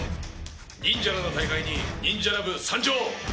ニンジャラの大会にニンジャラ部参上！